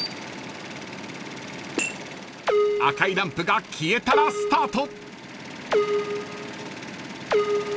［赤いランプが消えたらスタート］